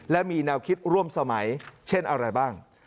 และมีแนวคิดร่วมสมัยเช่นอะไรบ้าง